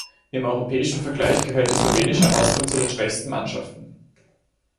Im europäischen Vergleich gehört die slowenische Auswahl zu den schwächsten Mannschaften.